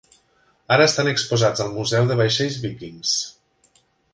Ara estan exposats al Museu de Vaixells Víkings.